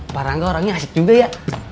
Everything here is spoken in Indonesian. parangga orangnya asik juga ya